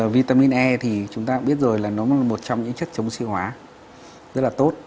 vitamin e thì chúng ta cũng biết rồi là nó là một trong những chất chống siêu hóa rất là tốt